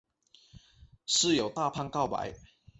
室友大胖告白。